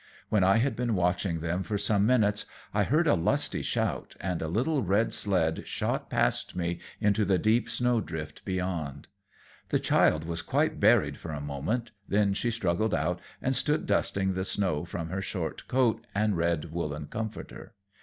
When I had been watching them for some minutes, I heard a lusty shout, and a little red sled shot past me into the deep snow drift beyond. The child was quite buried for a moment, then she struggled out and stood dusting the snow from her short coat and red woolen comforter.